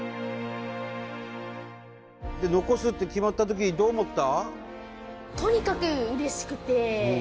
残すって決まったときにどう思った？